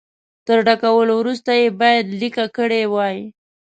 تر ډکولو وروسته یې باید لیکه کړي وای.